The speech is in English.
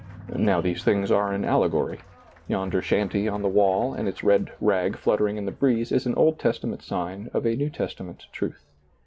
Now these things are an allegory. Yonder shanty on the wall and its red rag fluttering in the breeze is an Old Testament sign of a New Testa ment truth.